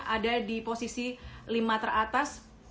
ada di posisi lima teratas